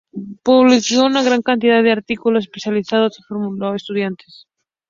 Publicó una gran cantidad de artículos especializados y formó estudiantes.